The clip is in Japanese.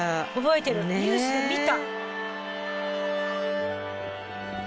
ニュースで見た。